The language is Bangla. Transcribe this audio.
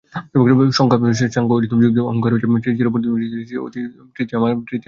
সাংখ্য ও যোগদর্শনে অহংকার হচ্ছে চিরপরির্তনশীল সৃষ্টিশীলতায় প্রকৃতির তৃতীয় মাত্রা।